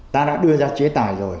ta đã đưa ra chế tài rồi